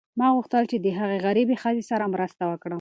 ما غوښتل چې د هغې غریبې ښځې سره مرسته وکړم.